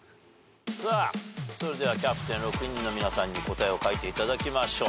さあそれではキャプテン６人の皆さんに答えを書いていただきましょう。